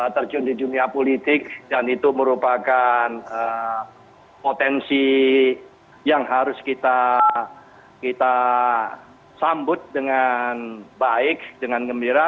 dan juga di dunia politik dan itu merupakan potensi yang harus kita sambut dengan baik dengan gembira